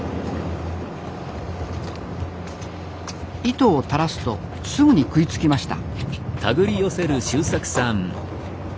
糸を垂らすとすぐに食いつきました。